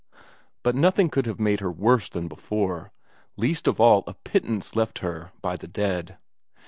But nothing could have made her worse than before; least of all a pittance left her by the dead.